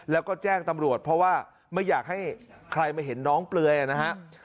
แล้วก็แจ้งตำรวจเพราะว่าไม่อยากให้ใครมาเห็นน้องเปลือยนะฮะ